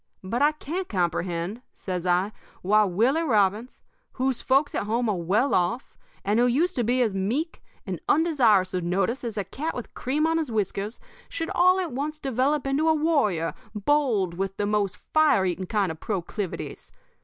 But I can't comprehend,' says I, 'why Willie Robbins, whose folks at home are well off, and who used to be as meek and undesirous of notice as a cat with cream on his whiskers, should all at once develop into a warrior bold with the most fire eating kind of proclivities.